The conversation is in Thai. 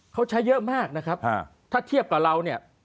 เขาใช้เยอะมากนะครับถ้าเทียบกับเราเนี่ย